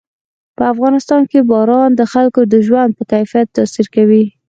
په افغانستان کې باران د خلکو د ژوند په کیفیت تاثیر کوي.